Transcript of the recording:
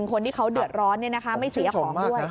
คนที่เขาเดือดร้อนไม่เสียของด้วย